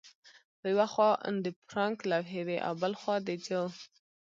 په یوه خوا د فرانک لوحې وې او بل خوا د جو